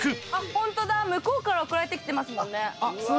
ホントだ向こうから送られてきてますもんね。